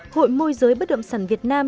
hội môi giới bất động sản việt nam